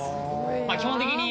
基本的に。